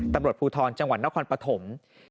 ตำรวจภูทรจังหวัดนครปฐม